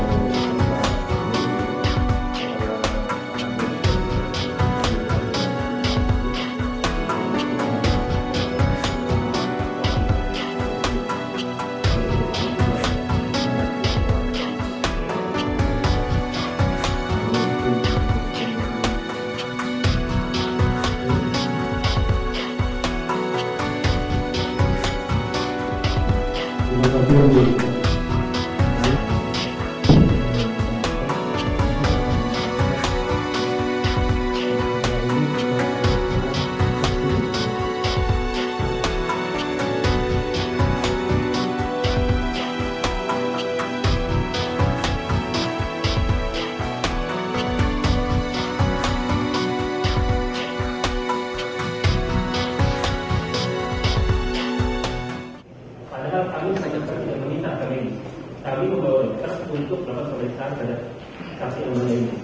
untuk melakukan perlisahan pada saksi yang menemani ini